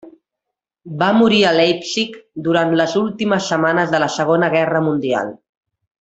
Va morir a Leipzig durant les últimes setmanes de la Segona Guerra Mundial.